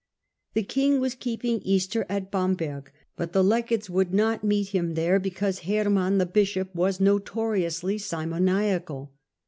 The king was keeping Easter at Bamberg, but the legates would not meet him there, because Herman, the bishop, was notoriously simoniacal.